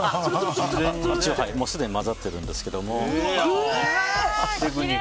すでに混ざっているんですけれども。